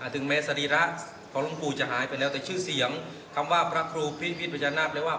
ถึงแม้สรีระของหลวงปู่จะหายไปแล้วแต่ชื่อเสียงคำว่าพระครูพิษพญานาคเลยว่า